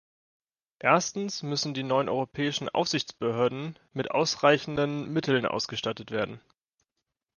Erstens müssen die neuen europäischen Aufsichtsbehörden mit ausreichenden Mitteln ausgestattet werden.